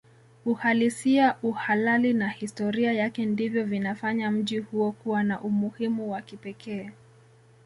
Uhalisia uhalali na historia yake ndivyo vinafanya mji huo kuwa na umuhimu wa kipekee